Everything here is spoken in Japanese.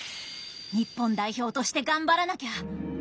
日本代表として頑張らなきゃ！